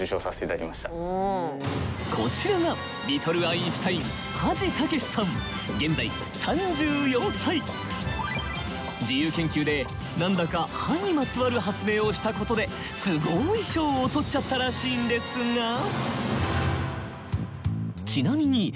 こちらがリトル・アインシュタイン自由研究で何だか「歯」にまつわる発明をしたことですごい賞をとっちゃったらしいんですが。